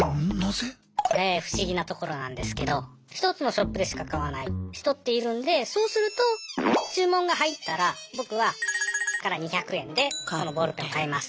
これ不思議なところなんですけど一つのショップでしか買わない人っているんでそうすると注文が入ったら僕はさんから２００円でこのボールペンを買います。